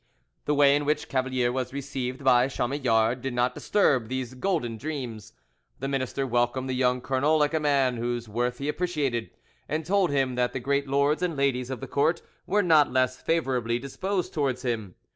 The way in which Cavalier was received by Chamillard did not disturb these golden dreams: the minister welcomed the young colonel like a man whose worth he appreciated, and told him that the great lords and ladies of the court were not less favourably disposed towards him.